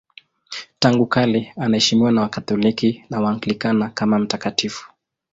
Tangu kale anaheshimiwa na Wakatoliki na Waanglikana kama mtakatifu.